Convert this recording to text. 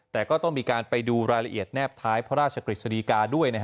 แต่ก็ต้องมีการไปดูรายละเอียดแนบท้ายด้วย